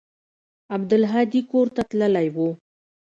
عبدالهادي کور ته تللى و.